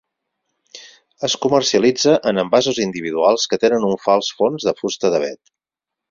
Es comercialitza en envasos individuals que tenen un fals fons de fusta d'avet.